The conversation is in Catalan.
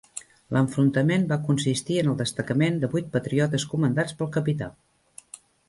L'enfrontament va consistir en el destacament de vuit patriotes comandats pel capità